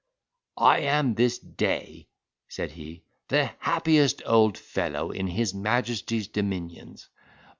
"I am this day," said he, "the happiest old fellow in his majesty's dominions.